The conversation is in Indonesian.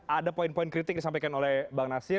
ada poin poin kritik disampaikan oleh bang nasir